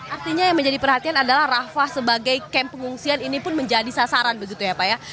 artinya yang menjadi perhatian adalah rafah sebagai kamp pengungsian ini pun menjadi sasaran begitu ya pak ya